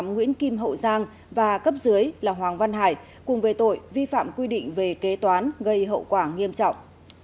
nguyễn kim hậu giang và cấp dưới là hoàng văn hải cùng về tội vi phạm quy định về kế toán gây hậu quả nghiêm trọng